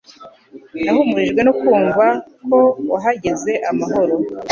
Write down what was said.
Nahumurijwe no kumva ko wahageze amahoro